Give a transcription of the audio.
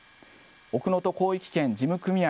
奥能登広域圏事務組合